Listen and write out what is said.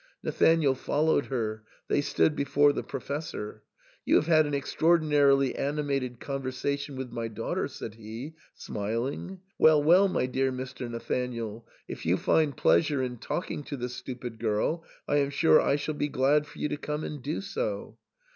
Nathanael followed her ; they stood before the Professor. " You have had an extraordinarily animated conversation with my daughter," said he, smiling; " well, well, my dear Mr. Nathanael, if you find pleas ure in talking to the stupid girl, I am sure I shall be glad for you to come and do so."